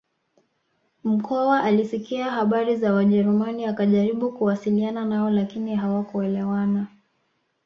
Mkwawa alisikia habari za wajerumani akajaribu kuwasiliana nao lakini hawakuelewana